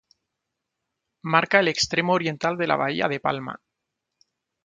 Marca el extremo oriental de la Bahía de Palma.